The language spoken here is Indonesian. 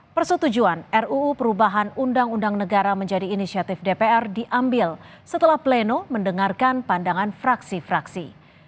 persetujuan ruu perubahan undang undang negara menjadi inisiatif dpr diambil setelah pleno mendengarkan pandangan fraksi fraksi